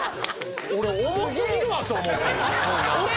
俺重すぎるわと思って。